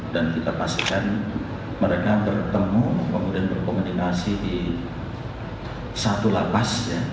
dan kita pastikan mereka bertemu kemudian berkomunikasi di satu lapas